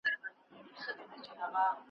چي را ویښ سوم ګورم ژوند ټوله خدمت دی.